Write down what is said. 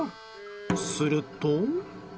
すると。